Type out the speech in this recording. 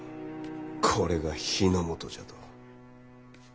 これが日ノ本じゃと。